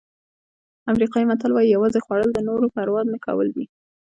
افریقایي متل وایي یوازې خوړل د نورو پروا نه کول دي.